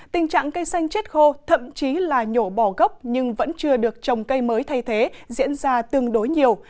tình trạng cây xanh chết khô thậm chí là nhổ bỏ gốc nhưng vẫn chưa được trồng cây mới thay thế diễn ra tương đối nhiều